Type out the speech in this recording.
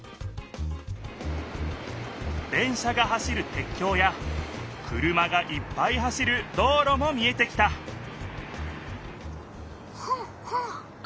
電車が走るてっきょうや車がいっぱい走る道ろも見えてきたフガフガ。